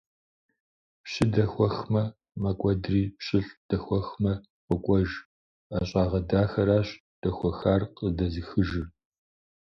Пщы дэхуэхмэ, мэкӀуэдри, пщылӀ дэхуэхмэ, къокӀуэж: ӀэщӀагъэ дахэращ дэхуэхар къыдэзыхыжыр!